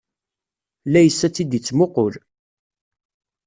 Layes ad tt-id-ittemuqul.